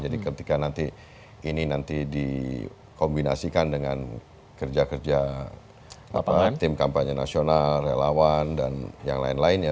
jadi ketika nanti ini nanti dikombinasikan dengan kerja kerja tim kampanye nasional relawan dan yang lain lain ya